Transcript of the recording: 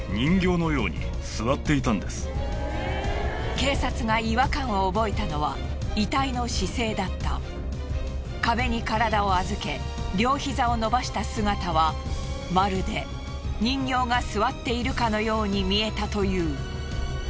警察が違和感を覚えたのは壁に体を預け両ヒザを伸ばした姿はまるで人形が座っているかのように見えたという。